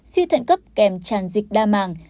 suy thận cấp kèm tràn dịch đa màng